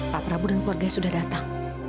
pak prabowo dan keluarga sudah datang